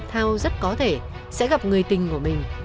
thao rất có thể sẽ gặp người tình của mình